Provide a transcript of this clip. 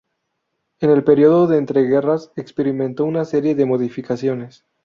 En el período de entreguerras experimentó una serie de modificaciones.